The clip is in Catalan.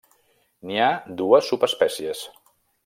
N'hi ha dues subespècies.